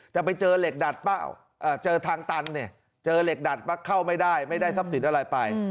แต่ไปเจอเหล็กดัดเปล่าเจอทางตันเนี่ยเจอเหล็กดัดป่ะเข้าไม่ได้ไม่ได้ทรัพย์สินอะไรไป